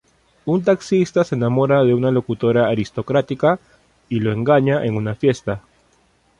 Un taxista se enamora de una locutora aristócrata y lo engaña en una fiesta.